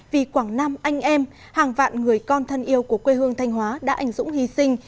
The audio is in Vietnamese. vì quảng nam anh em hàng vạn người con thân yêu của quê hương thanh hóa đã ảnh dũng hy sinh